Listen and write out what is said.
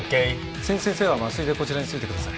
千住先生は麻酔でこちらについてください。